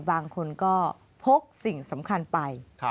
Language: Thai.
บางคนก็พกสิ่งสำคัญไป